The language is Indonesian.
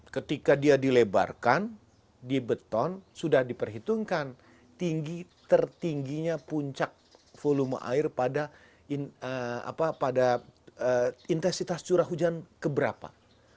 ketika dia dilebarkan di beton sudah diperhitungkan tinggi tertingginya puncak volume air pada intensitas curah hujan keberapa